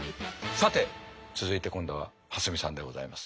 さて続いて今度は蓮見さんでございます。